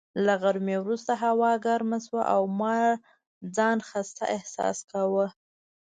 له غرمې وروسته هوا ګرمه شوه او ما ځان خسته احساس کاوه.